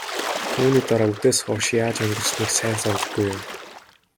Түүний дараа үдээс хойш яаж өнгөрснийг сайн санадаггүй юм.